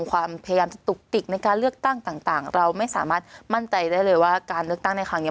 ความพยายามจะตุกติกในการเลือกตั้งต่างเราไม่สามารถมั่นใจได้เลยว่าการเลือกตั้งในครั้งนี้